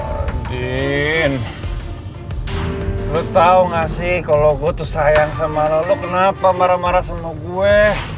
lo tahu gak sih kalau gue tuh sayang sama lo kenapa marah marah sama gue